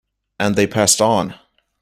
And they passed on.